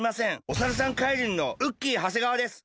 お猿さん怪人のウッキー長谷川です。